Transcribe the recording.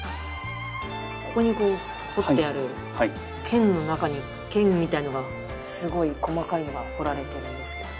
ここにこう彫ってある剣の中に剣みたいなのがすごい細かいのが彫られてるんですけど。